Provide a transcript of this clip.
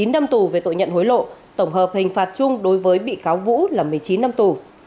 chín năm tù về tội nhận hối lộ tổng hợp hình phạt chung đối với bị cáo vũ là một mươi chín năm tù